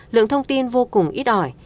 lượng thông tin vô cùng ít ỏi